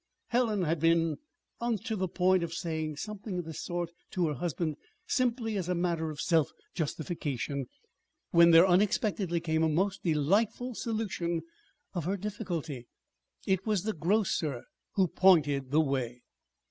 Helen had been on the point of saying something of this sort to her husband, simply as a matter of self justification, when there unexpectedly came a most delightful solution of her difficulty. It was the grocer who pointed the way.